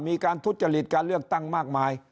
ทุจริตการเลือกตั้งมากมาย